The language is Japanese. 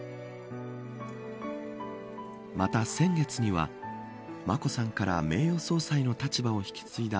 また、先月には眞子さんから名誉総裁の立場を引き継いだ。